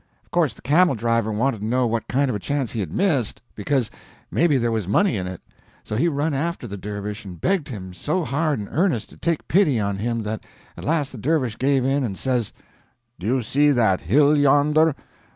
Of course the camel driver wanted to know what kind of a chance he had missed, because maybe there was money in it; so he run after the dervish, and begged him so hard and earnest to take pity on him that at last the dervish gave in, and says: "Do you see that hill yonder?